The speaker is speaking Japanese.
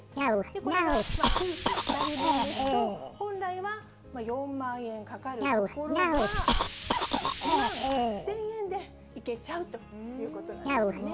これが夫婦２人分ですと、本来は４万円かかるところが、１万８０００円で行けちゃうということなんですね。